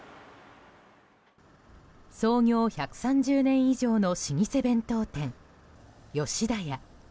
創業１３０年以上の老舗弁当店、吉田屋。